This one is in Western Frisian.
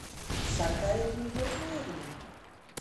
Sa krij ik myn wurk nea dien.